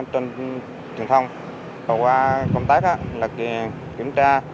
trên truyền thông qua công tác là kiểm tra